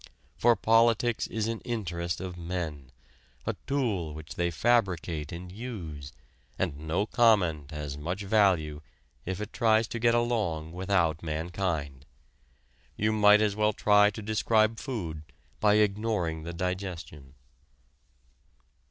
For politics is an interest of men a tool which they fabricate and use and no comment has much value if it tries to get along without mankind. You might as well try to describe food by ignoring the digestion.